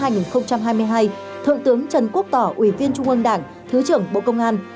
thượng tướng trần quốc tỏ ủy viên trung ương đảng thứ trưởng bộ công an